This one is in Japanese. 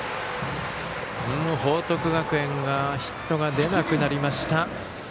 報徳学園ヒットが出なくなりました。